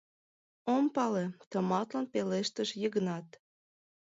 — Ом пале, — тыматлын пелештыш Йыгнат.